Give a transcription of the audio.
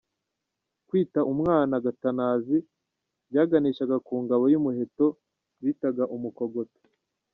Kwita umwana Gatanazi byaganishaga ku ngabo y’umuheto bitaga Umukogoto.